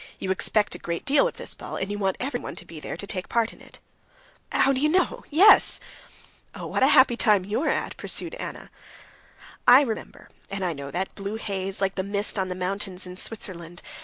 You expect a great deal of this ball, and you want everyone to be there to take part in it." "How do you know? Yes." "Oh! what a happy time you are at," pursued Anna. "I remember, and I know that blue haze like the mist on the mountains in Switzerland.